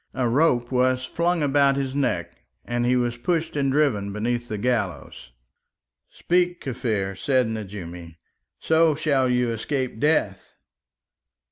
A rope was flung about his neck, and he was pushed and driven beneath the gallows. "Speak, Kaffir," said Nejoumi; "so shall you escape death."